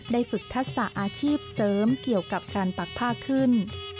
ฝึกทักษะอาชีพเสริมเกี่ยวกับการปักผ้าขึ้น